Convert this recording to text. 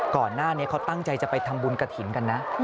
ก่อนหน้านี้เขาตั้งใจจะไปทำบุญกระถิ่นกันนะ